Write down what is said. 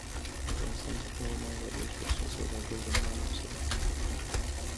افغانستان تر هغو نه ابادیږي، ترڅو سوداګر د مال او سر امنیت ونلري.